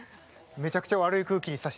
めちゃくちゃ悪い空気にさしてしまった。